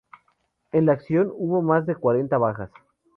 En la acción hubo más de cuarenta bajas.